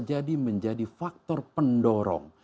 jadi menjadi faktor pendorong